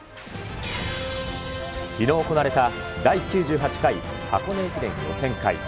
きのう行われた、第９８回箱根駅伝予選会。